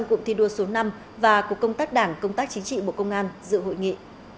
cụm thi đua số năm và cục công tác đảng công tác chính trị bộ công an dự hội nghị